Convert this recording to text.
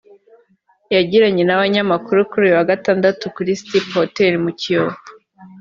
yagiranye n’abanyamakuru kuri uyu wa Gatandatu kuri Stipp Hotel mu Kiyovu